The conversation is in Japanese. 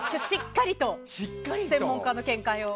しっかりと専門家の見解を。